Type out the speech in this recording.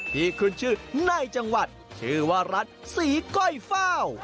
ที่ขึ้นชื่อในจังหวัดชื่อว่ารัฐศรีก้อยเฝ้า